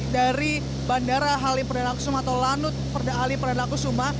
dari bandara halim perdana kusuma atau lanut perda halim perdana kusuma